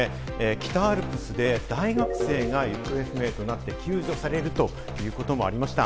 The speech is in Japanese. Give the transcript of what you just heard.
北アルプスで大学生が行方不明となって救助されるということもありました。